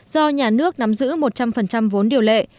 do nhà nước nắm giữ một trăm linh vốn điều lệ